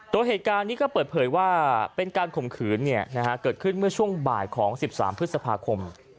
โดยเหตุการณ์นี้ก็เปิดเผยว่าเป็นการข่มขืนเกิดขึ้นเมื่อช่วงบ่ายของ๑๓พฤษภาคม